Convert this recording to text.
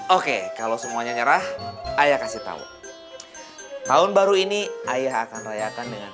oke kalau semuanya nyerah ayah kasih tahu tahun baru ini ayah akan rayakan dengan